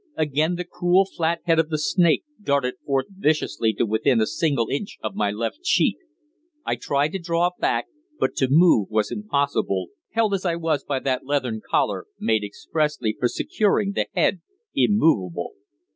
Again the cruel flat head of the snake darted forth viciously to within a single inch of my left cheek. I tried to draw back, but to move was impossible, held as I was by that leathern collar, made expressly for securing the head immovable.